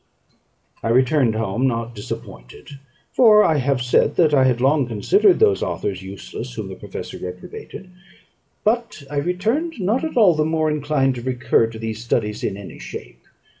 I returned home, not disappointed, for I have said that I had long considered those authors useless whom the professor reprobated; but I returned, not at all the more inclined to recur to these studies in any shape.